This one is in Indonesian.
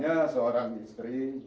biasanya seorang istri